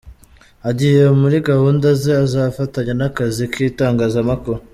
Agiye muri gahunda ze azafatanya n'akazi k'itangazamakuru.